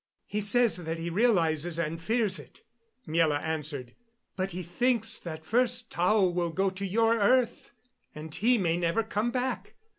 "He says that he realizes and fears it," Miela answered. "But he thinks that first Tao will go to your earth, and he may never come back.